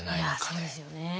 いやそうですよね。